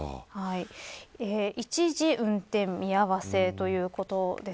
一時、運転見合わせということです。